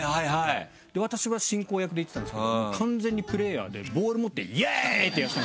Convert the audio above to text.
私は進行役で行ってたんですけど完全にプレーヤーでボール持って「イェイ！」ってやってた。